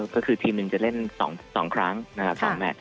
ก็คือทีมหนึ่งจะเล่น๒ครั้ง๒แมท